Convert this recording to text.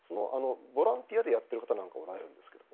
ボランティアでやっている方なんかおられるんですけど。